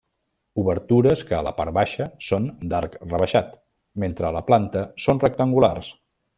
Obertures que a la part baixa són d'arc rebaixat, mentre a la planta són rectangulars.